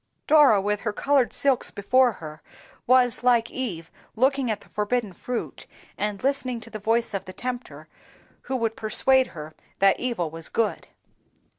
Dora, with her colored silks before her, was, like Eve, looking at the forbidden fruit, and listening to the voice of the Tempter, who would persuade her that evil was good.